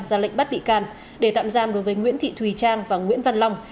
ra lệnh bắt bị can để tạm giam đối với nguyễn thị thùy trang và nguyễn văn long